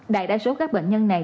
đại đa số các bệnh nhân này